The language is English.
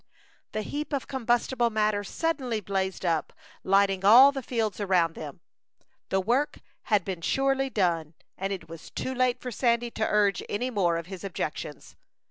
The heap of combustible matter suddenly blazed up, lighting all the fields around them. The work had been surely done, and it was too late for Sandy to urge any more of his objections.